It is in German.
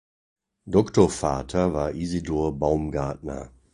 Doktorvater war Isidor Baumgartner.